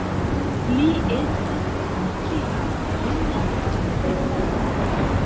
Li estas ĉiam juna kaj senmorta.